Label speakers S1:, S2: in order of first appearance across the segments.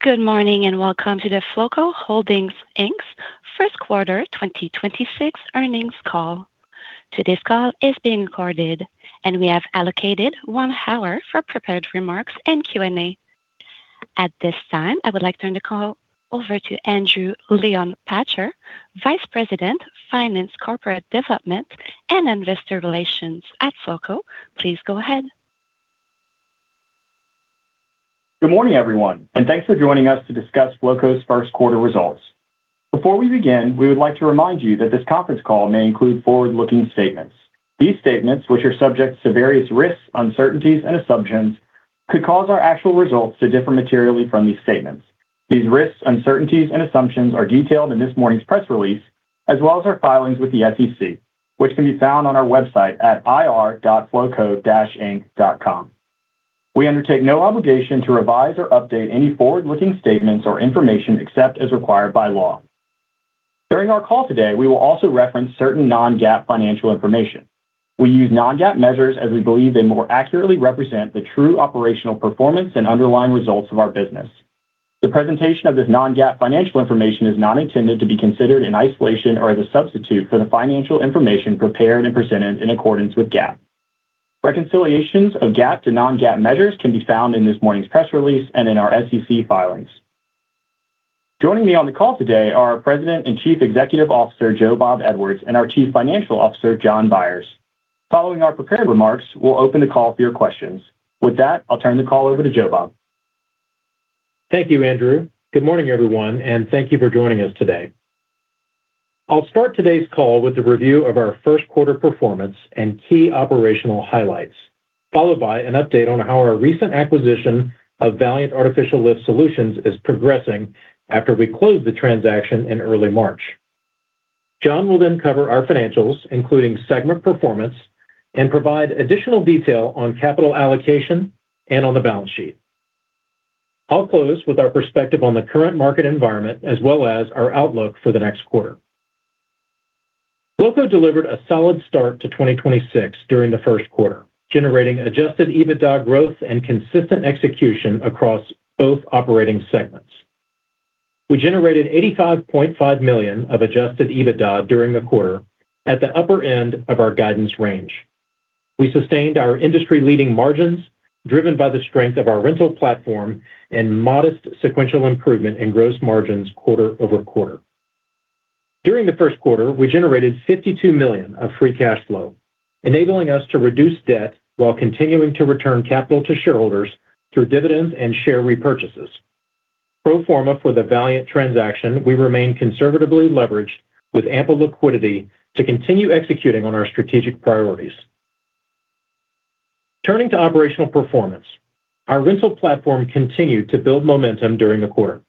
S1: Good morning, welcome to the Flowco Holdings Inc's first quarter 2026 earnings call. Today's call is being recorded, and we have allocated one hour for prepared remarks and Q&A. At this time, I would like to turn the call over to Andrew Leonpacher, Vice President, Finance, Corporate Development, and Investor Relations at Flowco. Please go ahead.
S2: Good morning, everyone, thanks for joining us to discuss Flowco's first quarter results. Before we begin, we would like to remind you that this conference call may include forward-looking statements. These statements, which are subject to various risks, uncertainties, and assumptions, could cause our actual results to differ materially from these statements. These risks, uncertainties, and assumptions are detailed in this morning's press release, as well as our filings with the SEC, which can be found on our website at ir.flowco-inc.com. We undertake no obligation to revise or update any forward-looking statements or information except as required by law. During our call today, we will also reference certain non-GAAP financial information. We use non-GAAP measures as we believe they more accurately represent the true operational performance and underlying results of our business. The presentation of this non-GAAP financial information is not intended to be considered in isolation or as a substitute for the financial information prepared and presented in accordance with GAAP. Reconciliations of GAAP to non-GAAP measures can be found in this morning's press release and in our SEC filings. Joining me on the call today are our President and Chief Executive Officer, Joe Bob Edwards, and our Chief Financial Officer, John Byers. Following our prepared remarks, we'll open the call for your questions. With that, I'll turn the call over to Joe Bob.
S3: Thank you, Andrew. Good morning, everyone, and thank you for joining us today. I'll start today's call with a review of our first quarter performance and key operational highlights, followed by an update on how our recent acquisition of Valiant Artificial Lift Solutions is progressing after we closed the transaction in early March. John will cover our financials, including segment performance, and provide additional detail on capital allocation and on the balance sheet. I'll close with our perspective on the current market environment as well as our outlook for the next quarter. Flowco delivered a solid start to 2026 during the first quarter, generating adjusted EBITDA growth and consistent execution across both operating segments. We generated $85.5 million of adjusted EBITDA during the quarter at the upper end of our guidance range. We sustained our industry-leading margins, driven by the strength of our rental platform and modest sequential improvement in gross margins quarter-over-quarter. During the first quarter, we generated $52 million of free cash flow, enabling us to reduce debt while continuing to return capital to shareholders through dividends and share repurchases. Pro forma for the Valiant transaction, we remain conservatively leveraged with ample liquidity to continue executing on our strategic priorities. Turning to operational performance, our rental platform continued to build momentum during the quarter.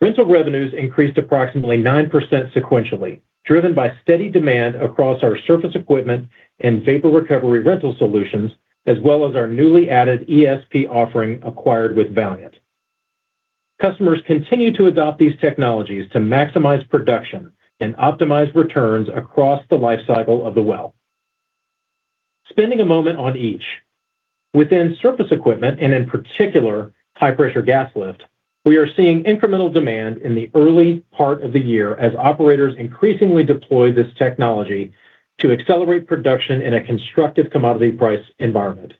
S3: Rental revenues increased approximately 9% sequentially, driven by steady demand across our surface equipment and vapor recovery rental solutions as well as our newly added ESP offering acquired with Valiant. Customers continue to adopt these technologies to maximize production and optimize returns across the lifecycle of the well. Spending a moment on each. Within surface equipment, and in particular, high-pressure gas lift, we are seeing incremental demand in the early part of the year as operators increasingly deploy this technology to accelerate production in a constructive commodity price environment.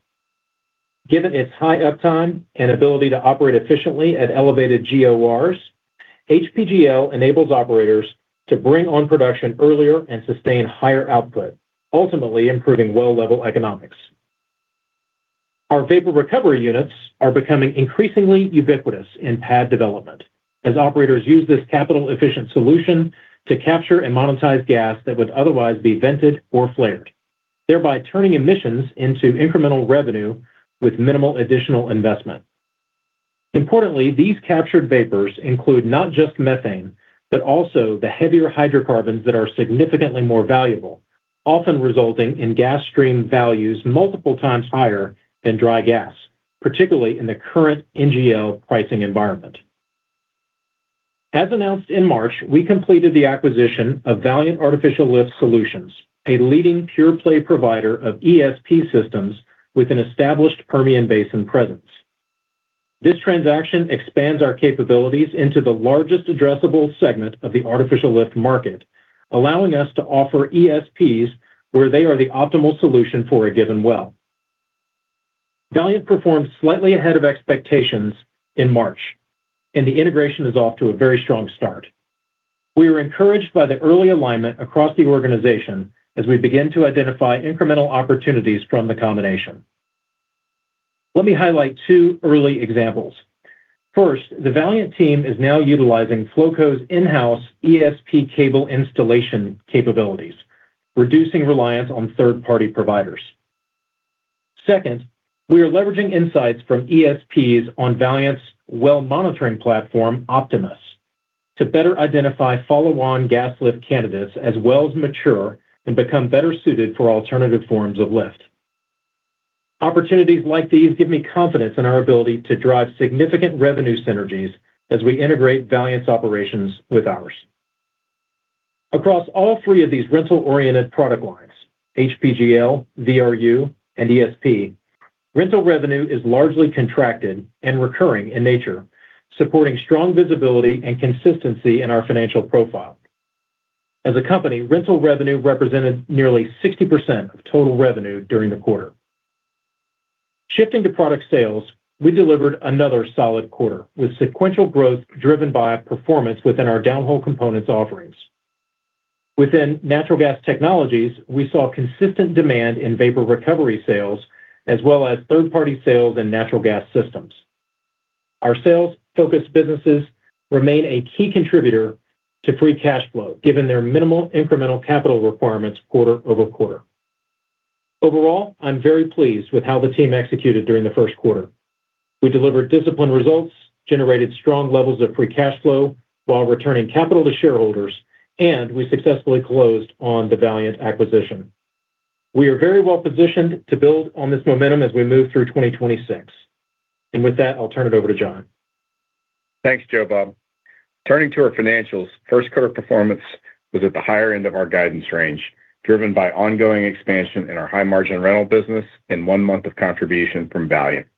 S3: Given its high uptime and ability to operate efficiently at elevated GORs, HPGL enables operators to bring on production earlier and sustain higher output, ultimately improving well level economics. Our vapor recovery units are becoming increasingly ubiquitous in pad development as operators use this capital-efficient solution to capture and monetize gas that would otherwise be vented or flared, thereby turning emissions into incremental revenue with minimal additional investment. Importantly, these captured vapors include not just methane, but also the heavier hydrocarbons that are significantly more valuable, often resulting in gas stream values multiple times higher than dry gas, particularly in the current NGL pricing environment. As announced in March, we completed the acquisition of Valiant Artificial Lift Solutions, a leading pure-play provider of ESP systems with an established Permian Basin presence. This transaction expands our capabilities into the largest addressable segment of the artificial lift market, allowing us to offer ESPs where they are the optimal solution for a given well. Valiant performed slightly ahead of expectations in March, and the integration is off to a very strong start. We are encouraged by the early alignment across the organization as we begin to identify incremental opportunities from the combination. Let me highlight two early examples. First, the Valiant team is now utilizing Flowco's in-house ESP cable installation capabilities, reducing reliance on third-party providers. Second, we are leveraging insights from ESPs on Valiant's well monitoring platform, Optimus, to better identify follow-on gas lift candidates as wells mature and become better suited for alternative forms of lift. Opportunities like these give me confidence in our ability to drive significant revenue synergies as we integrate Valiant's operations with ours. Across all three of these rental-oriented product lines, HPGL, VRU, and ESP, rental revenue is largely contracted and recurring in nature, supporting strong visibility and consistency in our financial profile. As a company, rental revenue represented nearly 60% of total revenue during the quarter. Shifting to product sales, we delivered another solid quarter, with sequential growth driven by performance within our downhole components offerings. Within natural gas technologies, we saw consistent demand in vapor recovery sales as well as third-party sales in natural gas systems. Our sales-focused businesses remain a key contributor to free cash flow, given their minimal incremental capital requirements quarter-over-quarter. Overall, I'm very pleased with how the team executed during the first quarter. We delivered disciplined results, generated strong levels of free cash flow while returning capital to shareholders, and we successfully closed on the Valiant acquisition. We are very well-positioned to build on this momentum as we move through 2026. With that, I'll turn it over to John.
S4: Thanks, Joe Bob. Turning to our financials, first quarter performance was at the higher end of our guidance range, driven by ongoing expansion in our high-margin rental business and one month of contribution from Valiant.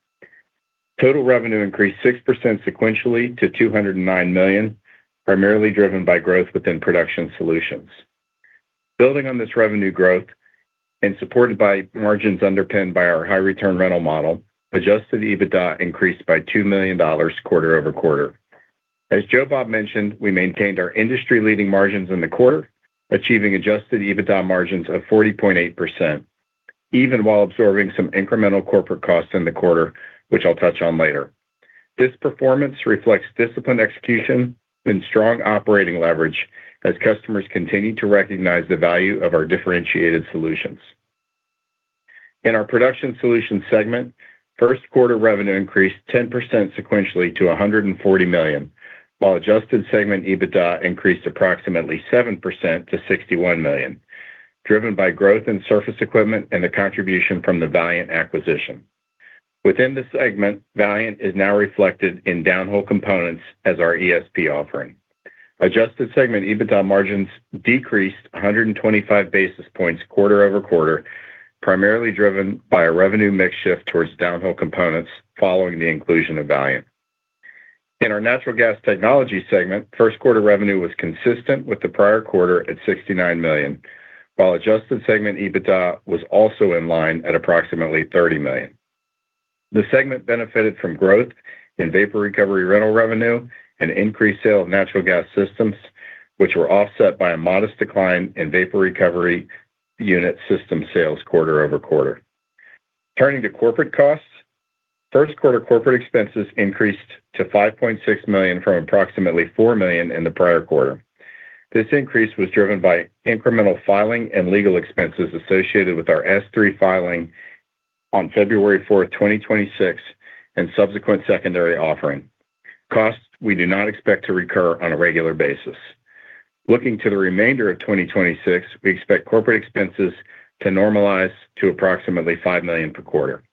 S4: Total revenue increased 6% sequentially to $209 million, primarily driven by growth within production solutions. Building on this revenue growth and supported by margins underpinned by our high-return rental model, adjusted EBITDA increased by $2 million quarter-over-quarter. As Joe Bob mentioned, we maintained our industry-leading margins in the quarter, achieving adjusted EBITDA margins of 40.8%, even while absorbing some incremental corporate costs in the quarter, which I'll touch on later. This performance reflects disciplined execution and strong operating leverage as customers continue to recognize the value of our differentiated solutions. In our Production Solutions segment, first quarter revenue increased 10% sequentially to $140 million, while adjusted segment EBITDA increased approximately 7% to $61 million, driven by growth in surface equipment and the contribution from the Valiant acquisition. Within the segment, Valiant is now reflected in downhole components as our ESP offering. Adjusted segment EBITDA margins decreased 125 basis points quarter-over-quarter, primarily driven by a revenue mix shift towards downhole components following the inclusion of Valiant. In our Natural Gas Technology segment, first quarter revenue was consistent with the prior quarter at $69 million, while adjusted segment EBITDA was also in line at approximately $30 million. The segment benefited from growth in vapor recovery rental revenue and increased sale of natural gas systems, which were offset by a modest decline in vapor recovery unit system sales quarter-over-quarter. Turning to corporate costs, first quarter corporate expenses increased to $5.6 million from approximately $4 million in the prior quarter. This increase was driven by incremental filing and legal expenses associated with our S-3 filing on February 4, 2026, and subsequent secondary offering. Costs we do not expect to recur on a regular basis. Looking to the remainder of 2026, we expect corporate expenses to normalize to approximately $5 million per quarter.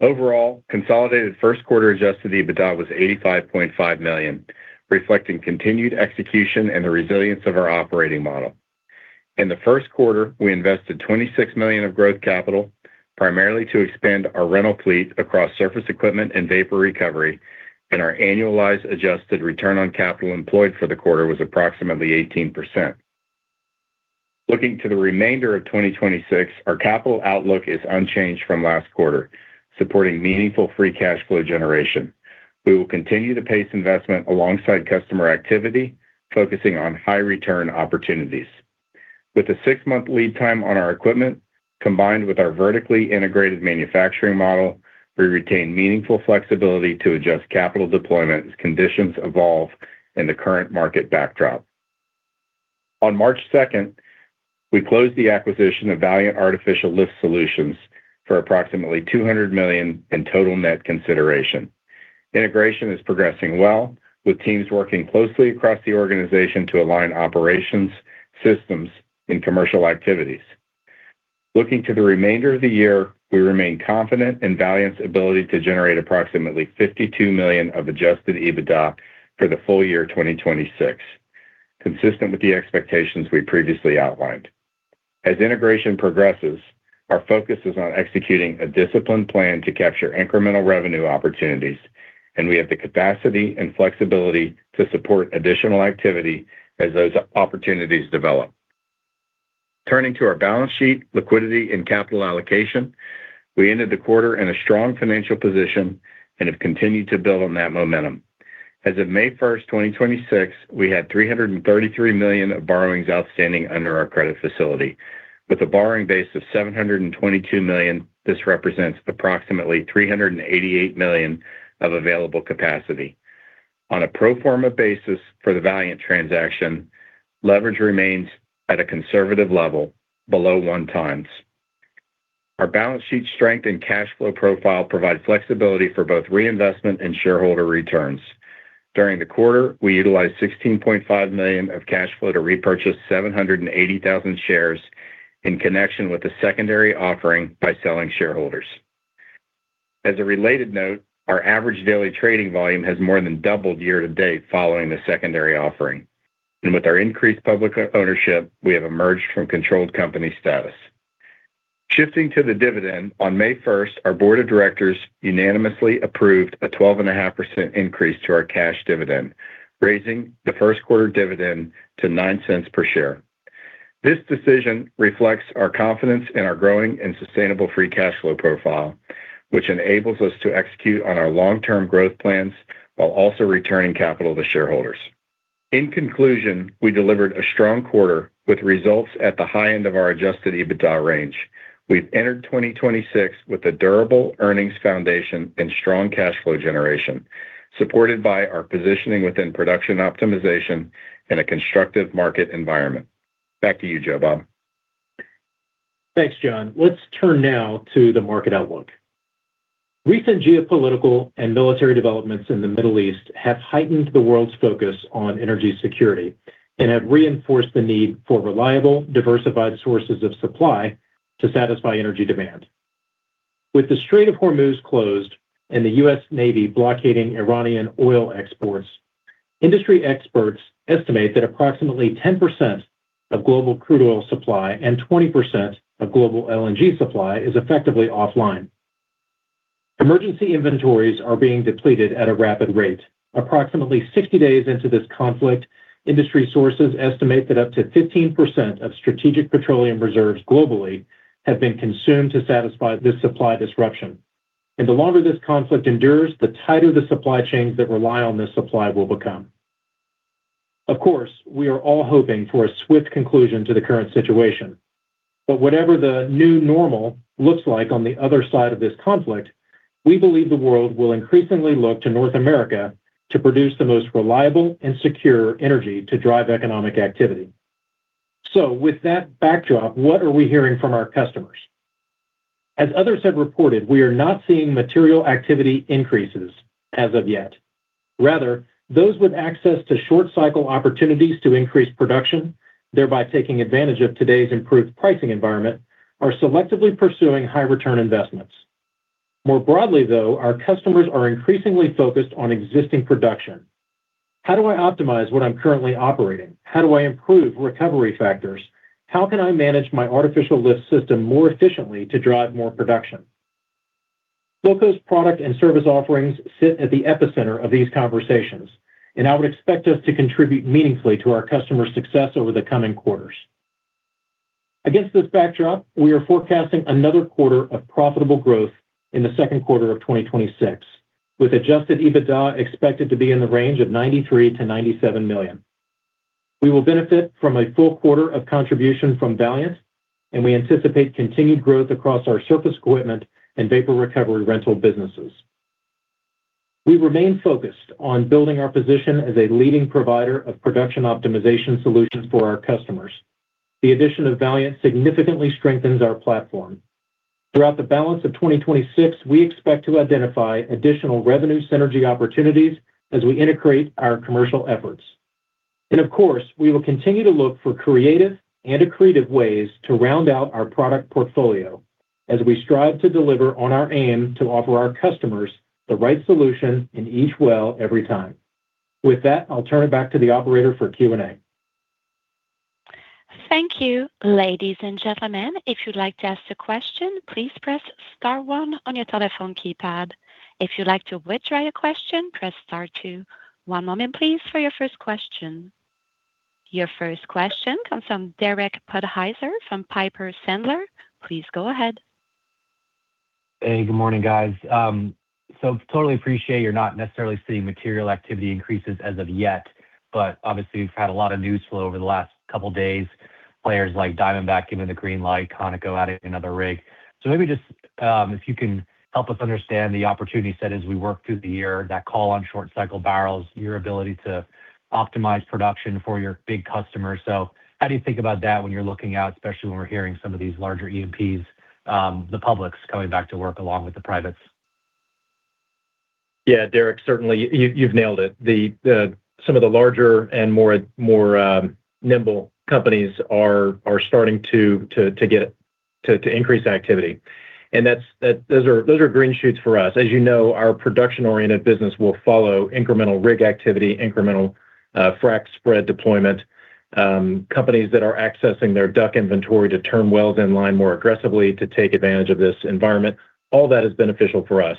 S4: Overall, consolidated first quarter adjusted EBITDA was $85.5 million, reflecting continued execution and the resilience of our operating model. In the first quarter, we invested $26 million of growth capital primarily to expand our rental fleet across surface equipment and vapor recovery, and our annualized adjusted return on capital employed for the quarter was approximately 18%. Looking to the remainder of 2026, our capital outlook is unchanged from last quarter, supporting meaningful free cash flow generation. We will continue to pace investment alongside customer activity, focusing on high-return opportunities. With a six-month lead time on our equipment, combined with our vertically integrated manufacturing model, we retain meaningful flexibility to adjust capital deployment as conditions evolve in the current market backdrop. On March 2, we closed the acquisition of Valiant Artificial Lift Solutions for approximately $200 million in total net consideration. Integration is progressing well, with teams working closely across the organization to align operations, systems, and commercial activities. Looking to the remainder of the year, we remain confident in Valiant's ability to generate approximately $52 million of adjusted EBITDA for the full year 2026, consistent with the expectations we previously outlined. As integration progresses, our focus is on executing a disciplined plan to capture incremental revenue opportunities, and we have the capacity and flexibility to support additional activity as those opportunities develop. Turning to our balance sheet, liquidity, and capital allocation, we ended the quarter in a strong financial position and have continued to build on that momentum. As of May 1st, 2026, we had $333 million of borrowings outstanding under our credit facility. With a borrowing base of $722 million, this represents approximately $388 million of available capacity. On a pro forma basis for the Valiant transaction, leverage remains at a conservative level below 1x. Our balance sheet strength and cash flow profile provide flexibility for both reinvestment and shareholder returns. During the quarter, we utilized $16.5 million of cash flow to repurchase 780,000 shares in connection with the secondary offering by selling shareholders. As a related note, our average daily trading volume has more than doubled year to date following the secondary offering. With our increased public ownership, we have emerged from controlled company status. Shifting to the dividend, on May 1st, our board of directors unanimously approved a 12.5% increase to our cash dividend, raising the first quarter dividend to $0.09 per share. This decision reflects our confidence in our growing and sustainable free cash flow profile, which enables us to execute on our long-term growth plans while also returning capital to shareholders. In conclusion, we delivered a strong quarter with results at the high end of our adjusted EBITDA range. We've entered 2026 with a durable earnings foundation and strong cash flow generation, supported by our positioning within production optimization and a constructive market environment. Back to you, Joe Bob.
S3: Thanks, John. Let's turn now to the market outlook. Recent geopolitical and military developments in the Middle East have heightened the world's focus on energy security and have reinforced the need for reliable, diversified sources of supply to satisfy energy demand. With the Strait of Hormuz closed and the US Navy blockading Iranian oil exports, industry experts estimate that approximately 10% of global crude oil supply and 20% of global LNG supply is effectively offline. Emergency inventories are being depleted at a rapid rate. Approximately 60 days into this conflict, industry sources estimate that up to 15% of strategic petroleum reserves globally have been consumed to satisfy this supply disruption. The longer this conflict endures, the tighter the supply chains that rely on this supply will become. Of course, we are all hoping for a swift conclusion to the current situation. Whatever the new normal looks like on the other side of this conflict, we believe the world will increasingly look to North America to produce the most reliable and secure energy to drive economic activity. With that backdrop, what are we hearing from our customers? As others have reported, we are not seeing material activity increases as of yet. Rather, those with access to short cycle opportunities to increase production, thereby taking advantage of today's improved pricing environment, are selectively pursuing high return investments. More broadly, though, our customers are increasingly focused on existing production. How do I optimize what I'm currently operating? How do I improve recovery factors? How can I manage my artificial lift system more efficiently to drive more production? Flowco's product and service offerings sit at the epicenter of these conversations, and I would expect us to contribute meaningfully to our customer success over the coming quarters. Against this backdrop, we are forecasting another quarter of profitable growth in the second quarter of 2026, with adjusted EBITDA expected to be in the range of $93 million-$97 million. We will benefit from a full quarter of contribution from Valiant, and we anticipate continued growth across our surface equipment and vapor recovery rental businesses. We remain focused on building our position as a leading provider of production optimization solutions for our customers. The addition of Valiant significantly strengthens our platform. Throughout the balance of 2026, we expect to identify additional revenue synergy opportunities as we integrate our commercial efforts. Of course, we will continue to look for creative and accretive ways to round out our product portfolio as we strive to deliver on our aim to offer our customers the right solution in each well every time. With that, I'll turn it back to the operator for Q&A.
S1: Thank you. Ladies and gentlemen. If you'd like to ask a question, please press star one on your telephone keypad. If you'd like to withdraw your question, press star two. One moment, please, for your first question. Your first question comes from Derek Podhaizer from Piper Sandler. Please go ahead.
S5: Hey, good morning, guys. Totally appreciate you're not necessarily seeing material activity increases as of yet, but obviously we've had a lot of news flow over the last couple days. Players like Diamondback giving the green light, ConocoPhillips adding another rig. Maybe just, if you can help us understand the opportunity set as we work through the year, that call on short cycle barrels, your ability to optimize production for your big customers. How do you think about that when you're looking out, especially when we're hearing some of these larger E&Ps, the public's coming back to work along with the privates?
S3: Derek, certainly. You've nailed it. Some of the larger and more nimble companies are starting to increase activity. Those are green shoots for us. As you know, our production-oriented business will follow incremental rig activity, incremental frac spread deployment, companies that are accessing their DUC inventory to turn wells in line more aggressively to take advantage of this environment. All that is beneficial for us.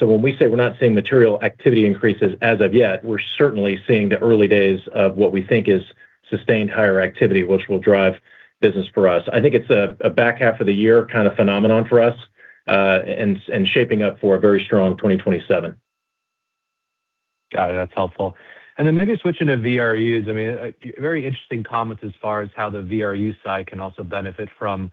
S3: When we say we're not seeing material activity increases as of yet, we're certainly seeing the early days of what we think is sustained higher activity, which will drive business for us. I think it's a back half of the year kinda phenomenon for us, and shaping up for a very strong 2027.
S5: Got it. That's helpful. Maybe switching to VRUs. I mean, very interesting comments as far as how the VRU side can also benefit from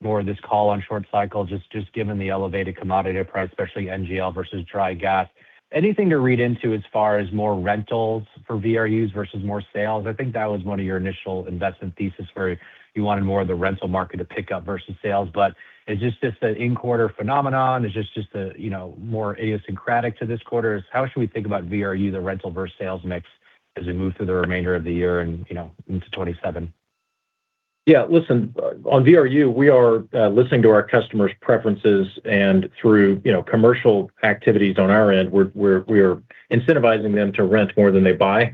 S5: more of this call on short cycle, just given the elevated commodity price, especially NGL versus dry gas. Anything to read into as far as more rentals for VRUs versus more sales? I think that was one of your initial investment thesis where you wanted more of the rental market to pick up versus sales. Is this just an in-quarter phenomenon? Is this just a, you know, more idiosyncratic to this quarter? How should we think about VRU, the rental versus sales mix, as we move through the remainder of the year and, you know, into 2027?
S3: Yeah. Listen, on VRU, we are listening to our customers' preferences and through, you know, commercial activities on our end we are incentivizing them to rent more than they buy.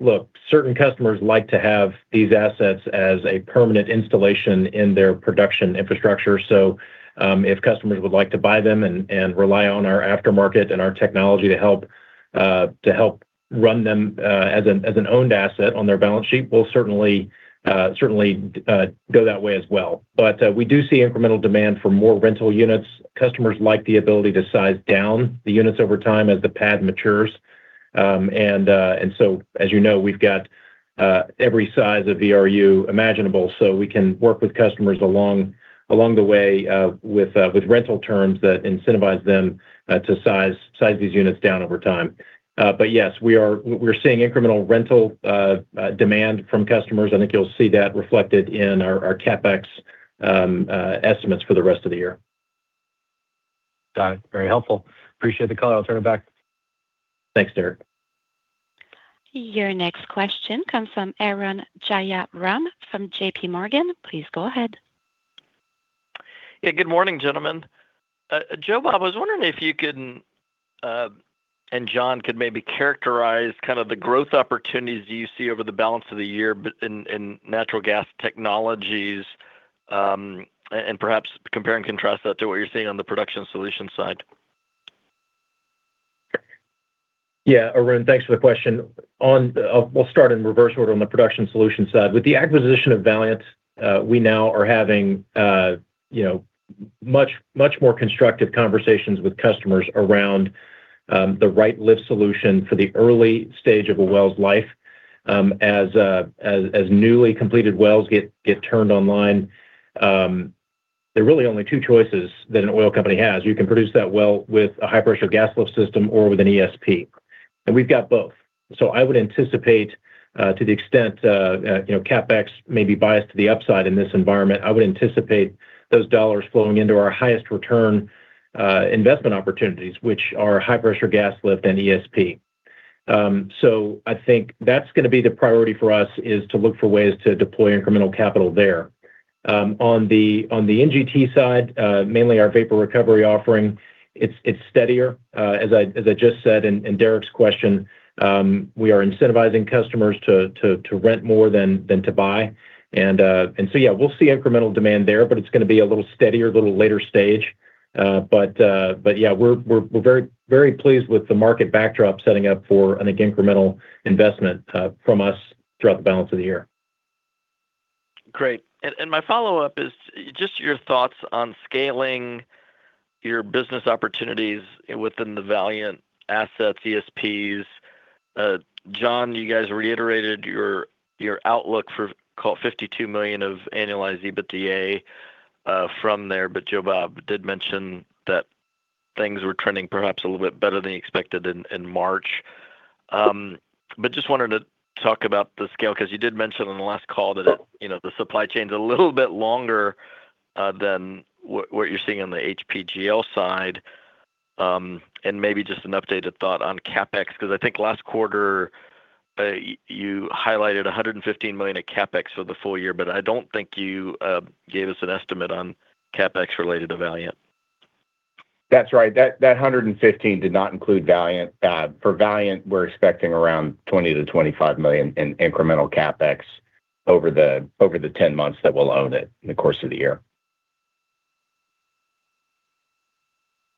S3: Look, certain customers like to have these assets as a permanent installation in their production infrastructure. If customers would like to buy them and rely on our aftermarket and our technology to help run them as an owned asset on their balance sheet, we'll certainly go that way as well. We do see incremental demand for more rental units. Customers like the ability to size down the units over time as the pad matures. As you know, we've got every size of VRU imaginable, so we can work with customers along the way with rental terms that incentivize them to size these units down over time. But yes, we're seeing incremental rental demand from customers. I think you'll see that reflected in our CapEx estimates for the rest of the year.
S5: Got it. Very helpful. Appreciate the call. I'll turn it back.
S3: Thanks, Derek.
S1: Your next question comes from Arun Jayaram from JPMorgan. Please go ahead.
S6: Yeah. Good morning, gentlemen. Joe, I was wondering if you can, and John could maybe characterize kind of the growth opportunities you see over the balance of the year but in natural gas technologies, and perhaps compare and contrast that to what you're seeing on the production solution side.
S3: Arun, thanks for the question. We'll start in reverse order on the production solution side. With the acquisition of Valiant, we now are having, you know, much, much more constructive conversations with customers around the right lift solution for the early stage of a well's life. As newly completed wells get turned online, there are really only two choices that an oil company has. You can produce that well with a high-pressure gas lift system or with an ESP, and we've got both. I would anticipate, to the extent, you know, CapEx may be biased to the upside in this environment, I would anticipate those dollars flowing into our highest return investment opportunities, which are high-pressure gas lift and ESP. I think that's gonna be the priority for us, is to look for ways to deploy incremental capital there. On the NGT side, mainly our vapor recovery offering, it's steadier. As I just said in Derek's question, we are incentivizing customers to rent more than to buy. So yeah, we'll see incremental demand there, but it's gonna be a little steadier, a little later stage. But yeah, we're very, very pleased with the market backdrop setting up for an incremental investment from us throughout the balance of the year.
S6: Great. My follow-up is just your thoughts on scaling your business opportunities within the Valiant assets, ESPs. John, you guys reiterated your outlook for call it $52 million of annualized EBITDA from there. Joe Bob did mention that things were trending perhaps a little bit better than expected in March. Just wanted to talk about the scale, because you did mention on the last call that, you know, the supply chain's a little bit longer than what you're seeing on the HPGL side. Maybe just an updated thought on CapEx, because I think last quarter, you highlighted $115 million of CapEx for the full year. I don't think you gave us an estimate on CapEx related to Valiant.
S4: That's right. That $115 did not include Valiant. For Valiant, we're expecting around $20 million-$25 million in incremental CapEx over the 10 months that we'll own it in the course of the year.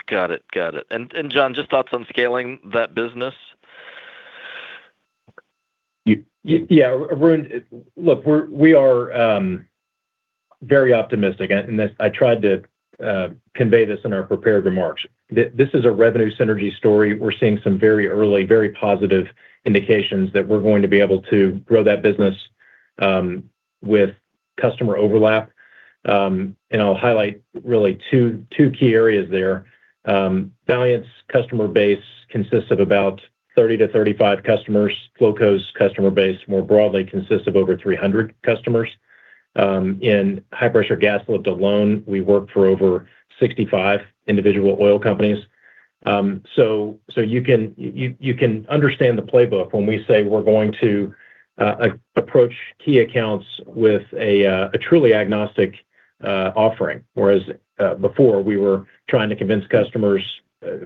S6: Got it. Got it. John, just thoughts on scaling that business?
S3: Arun, look, we are very optimistic and this I tried to convey this in our prepared remarks. This is a revenue synergy story. We're seeing some very early, very positive indications that we're going to be able to grow that business with customer overlap. And I'll highlight really two key areas there. Valiant's customer base consists of about 30-35 customers. Flowco's customer base, more broadly, consists of over 300 customers. In high-pressure gas lift alone, we work for over 65 individual oil companies. So you can understand the playbook when we say we're going to approach key accounts with a truly agnostic offering. Before, we were trying to convince customers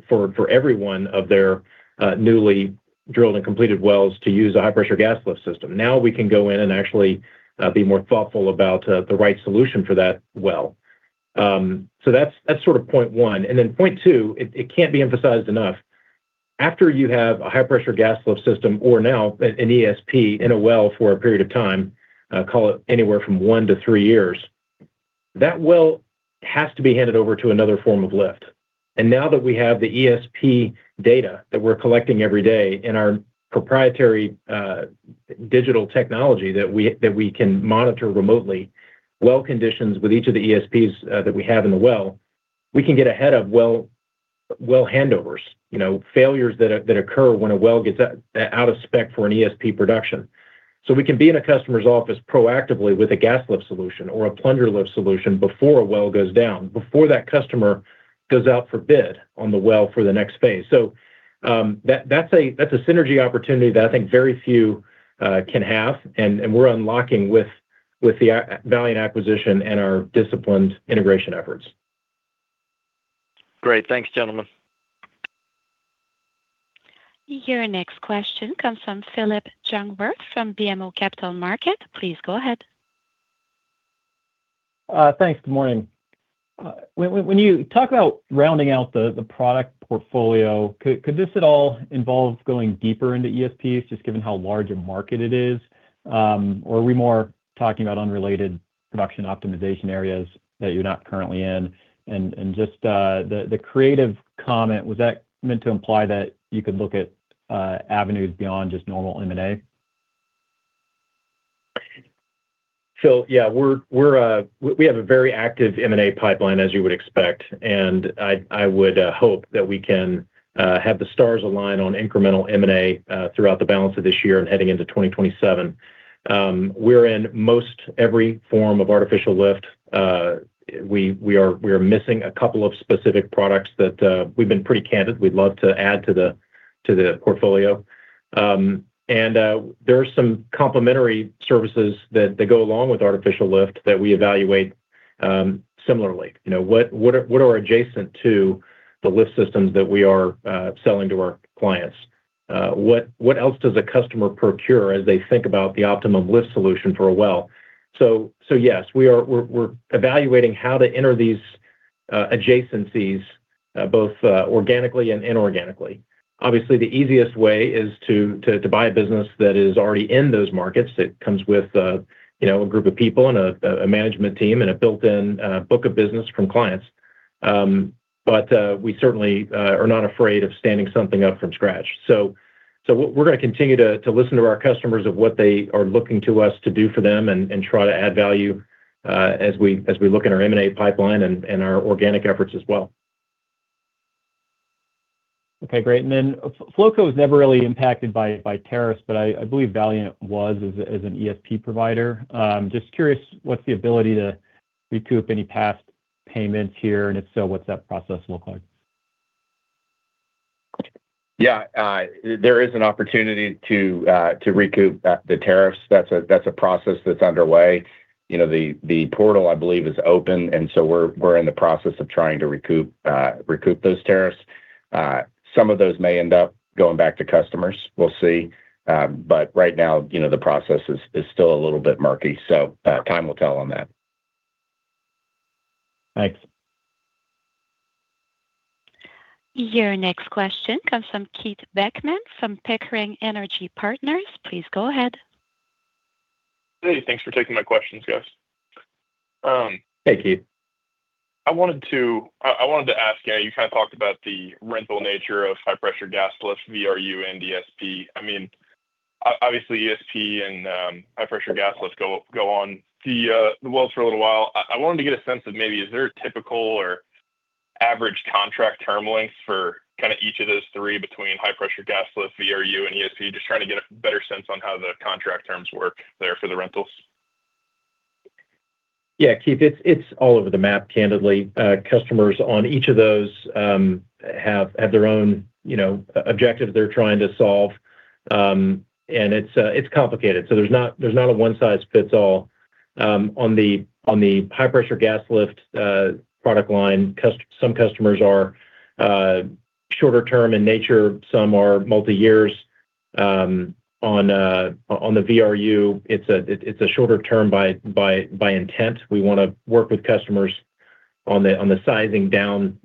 S3: for every 1 of their newly drilled and completed wells to use a high-pressure gas lift system. We can go in and actually be more thoughtful about the right solution for that well. That's sort of point one. Point two, it can't be emphasized enough. After you have a high-pressure gas lift system or now an ESP in a well for a period of time, call it anywhere from one to three years, that well has to be handed over to another form of lift. Now that we have the ESP data that we're collecting every day in our proprietary digital technology that we can monitor remotely well conditions with each of the ESPs that we have in the well, we can get ahead of well handovers. You know, failures that occur when a well gets out of spec for an ESP production. We can be in a customer's office proactively with a gas lift solution or a plunger lift solution before a well goes down, before that customer goes out for bid on the well for the next phase. That's a synergy opportunity that I think very few can have, and we're unlocking with the Valiant acquisition and our disciplined integration efforts.
S6: Great. Thanks, gentlemen.
S1: Your next question comes from Phillip Jungwirth from BMO Capital Markets. Please go ahead.
S7: Thanks. Good morning. When you talk about rounding out the product portfolio, could this at all involve going deeper into ESPs, just given how large a market it is? Or are we more talking about unrelated production optimization areas that you're not currently in? Just, the creative comment, was that meant to imply that you could look at avenues beyond just normal M&A?
S3: Phil, yeah. We're we have a very active M&A pipeline, as you would expect. I would hope that we can have the stars align on incremental M&A throughout the balance of this year and heading into 2027. We're in most every form of artificial lift. We are missing a couple of specific products that we've been pretty candid we'd love to add to the portfolio. There are some complementary services that go along with artificial lift that we evaluate, similarly. You know, what are adjacent to the lift systems that we are selling to our clients? What else does a customer procure as they think about the optimum lift solution for a well? Yes, we are evaluating how to enter these adjacencies, both organically and inorganically. Obviously, the easiest way is to buy a business that is already in those markets that comes with, you know, a group of people and a management team and a built-in book of business from clients. We certainly are not afraid of standing something up from scratch. We're gonna continue to listen to our customers of what they are looking to us to do for them and try to add value as we look in our M&A pipeline and our organic efforts as well.
S7: Okay, great. Flowco was never really impacted by tariffs, but I believe Valiant was as an ESP provider. Just curious what's the ability to recoup any past payments here, and if so, what's that process look like?
S3: Yeah. There is an opportunity to recoup the tariffs. That's a process that's underway. You know, the portal, I believe, is open, we're in the process of trying to recoup those tariffs. Some of those may end up going back to customers. We'll see. Right now, you know, the process is still a little bit murky, time will tell on that.
S7: Thanks.
S1: Your next question comes from Keith Bachmann from Pickering Energy Partners. Please go ahead.
S8: Hey, thanks for taking my questions, guys.
S3: Hey, Keith.
S8: I wanted to ask, yeah, you kinda talked about the rental nature of high-pressure gas lift, VRU, and ESP. I mean, obviously, ESP and high-pressure gas lifts go on the wells for a little while. I wanted to get a sense of maybe is there a typical or average contract term length for kinda each of those three between high-pressure gas lift, VRU, and ESP? Just trying to get a better sense on how the contract terms work there for the rentals.
S3: Yeah, Keith, it's all over the map, candidly. Customers on each of those have their own, you know, objective they're trying to solve. It's complicated. There's not a one-size-fits-all. On the high-pressure gas lift product line, some customers are shorter term in nature, some are multi-years. On the VRU, it's a shorter term by intent. We wanna work with customers on the sizing down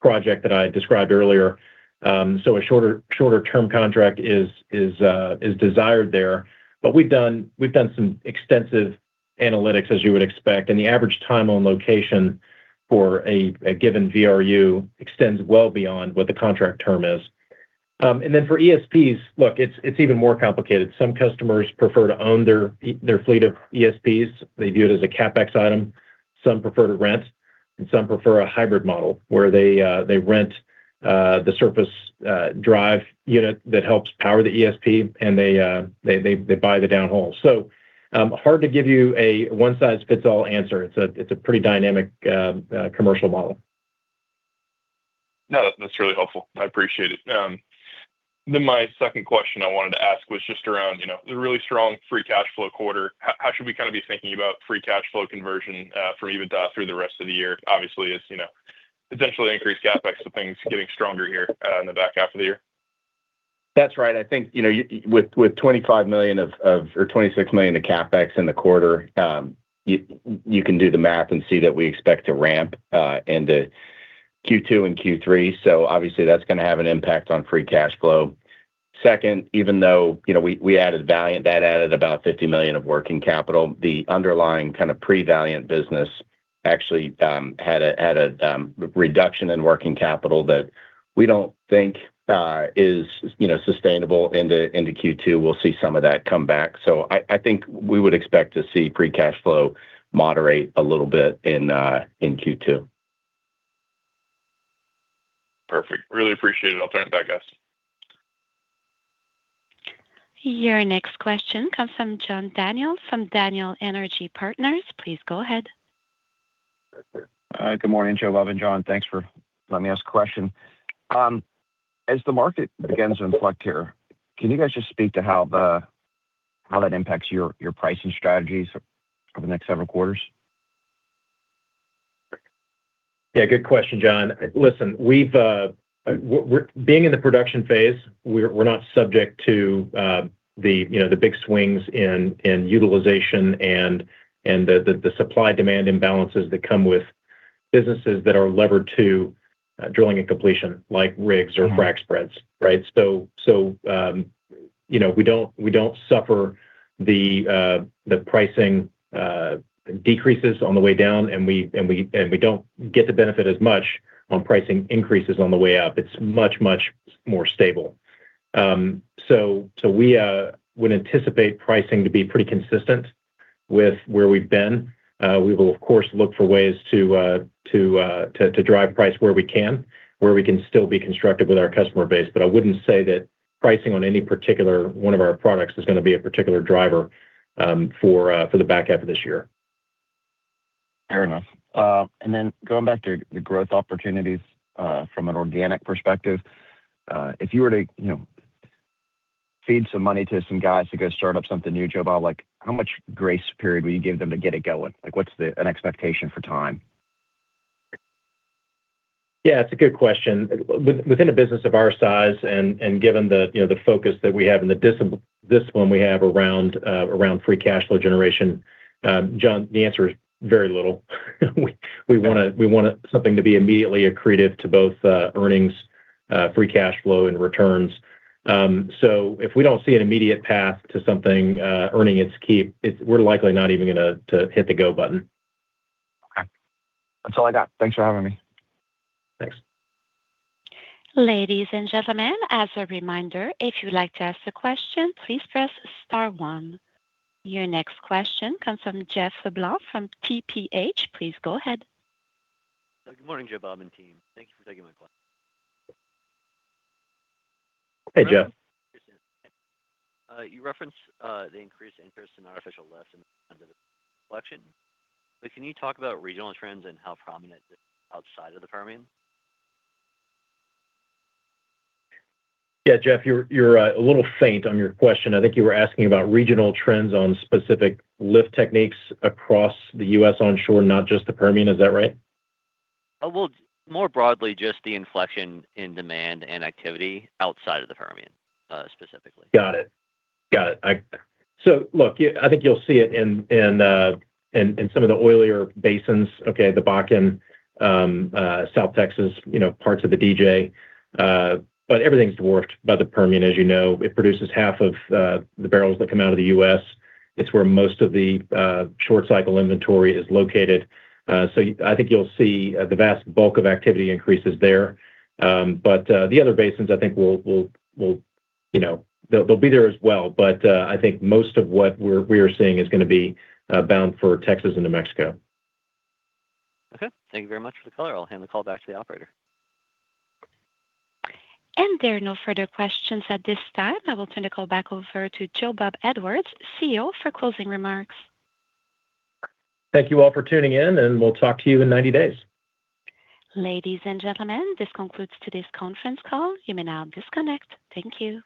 S3: project that I described earlier. A shorter-term contract is desired there. We've done some extensive analytics, as you would expect, and the average time on location for a given VRU extends well beyond what the contract term is. Then for ESPs, look, it's even more complicated. Some customers prefer to own their fleet of ESPs. They view it as a CapEx item. Some prefer to rent, and some prefer a hybrid model, where they rent the surface drive unit that helps power the ESP and they buy the downhole. Hard to give you a one-size-fits-all answer. It's a, it's a pretty dynamic commercial model.
S8: No, that's really helpful. I appreciate it. My second question I wanted to ask was just around, you know, the really strong free cash flow quarter. How should we kinda be thinking about free cash flow conversion for EBITDA through the rest of the year? Obviously, it's, you know, potentially increased CapEx, so things getting stronger here in the back half of the year.
S4: That's right. I think, with $25 million of, or $26 million of CapEx in the quarter, you can do the math and see that we expect to ramp into Q2 and Q3, obviously that's gonna have an impact on free cash flow. Second, even though we added Valiant, that added about $50 million of working capital. The underlying kind of pre-Valiant business actually had a reduction in working capital that we don't think is sustainable into Q2. We'll see some of that come back. I think we would expect to see free cash flow moderate a little bit in Q2.
S8: Perfect. Really appreciate it. I'll turn it back, guys.
S1: Your next question comes from John Daniel from Daniel Energy Partners. Please go ahead.
S9: Good morning, Joe Bob and John. Thanks for letting me ask a question. As the market begins to inflect here, can you guys just speak to how that impacts your pricing strategies over the next several quarters?
S3: Yeah, good question, John. Listen, we've, being in the production phase, we're not subject to the, you know, the big swings in utilization and the supply-demand imbalances that come with businesses that are levered to drilling and completion like rigs or frac spreads, right? You know, we don't suffer the pricing decreases on the way down, and we don't get to benefit as much on pricing increases on the way up. It's much more stable. We would anticipate pricing to be pretty consistent with where we've been. We will of course, look for ways to drive price where we can, where we can still be constructive with our customer base. I wouldn't say that pricing on any particular one of our products is gonna be a particular driver, for the back half of this year.
S9: Fair enough. Going back to the growth opportunities, from an organic perspective, if you were to, you know, feed some money to some guys to go start up something new, Joe Bob, like how much grace period would you give them to get it going? What's the expectation for time?
S3: Yeah, it's a good question. Within a business of our size and given the, you know, the focus that we have and the discipline we have around free cash flow generation, John, the answer is very little. We want something to be immediately accretive to both earnings, free cash flow and returns. If we don't see an immediate path to something earning its keep, we're likely not even gonna hit the go button.
S9: Okay. That's all I got. Thanks for having me.
S3: Thanks.
S1: Ladies and gentlemen, as a reminder, if you'd like to ask a question, please press star one. Your next question comes from Jeff LeBlanc from TPH. Please go ahead.
S10: Good morning, Joe Bob and team. Thank you for taking my call.
S3: Hey, Jeff.
S10: You referenced, the increased interest in artificial lift under the production solutions, but can you talk about regional trends and how prominent outside of the Permian?
S3: Yeah, Jeff, you're a little faint on your question. I think you were asking about regional trends on specific lift techniques across the U.S. onshore, not just the Permian. Is that right?
S10: Well, more broadly, just the inflection in demand and activity outside of the Permian, specifically.
S3: Got it. Got it. Look, I think you'll see it in, in some of the oilier basins, okay, the Bakken, South Texas, you know, parts of the DJ. Everything's dwarfed by the Permian. As you know, it produces half of the barrels that come out of the U.S. It's where most of the short cycle inventory is located. I think you'll see the vast bulk of activity increases there. The other basins I think will You know, they'll be there as well. I think most of what we are seeing is gonna be bound for Texas and New Mexico.
S10: Okay. Thank you very much for the color. I'll hand the call back to the operator.
S1: There are no further questions at this time. I will turn the call back over to Joe Bob Edwards, CEO, for closing remarks.
S3: Thank you all for tuning in, and we'll talk to you in 90 days.
S1: Ladies and gentlemen, this concludes today's conference call. You may now disconnect. Thank you.